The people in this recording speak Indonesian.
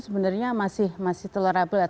sebenarnya masih tolerable